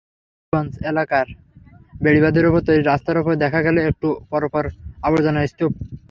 নবাবগঞ্জ এলাকায় বেড়িবাঁধের ওপর তৈরি রাস্তার ওপর দেখা গেল একটু পরপর আবর্জনার স্তূপ।